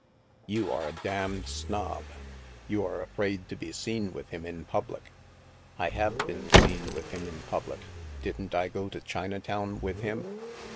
"You are a damned snob! You are afraid to be seen with him in public." " I have been seen with him in public. Didn't I go to Chinatown with him